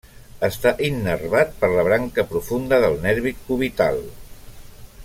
Està innervat per la branca profunda del nervi cubital.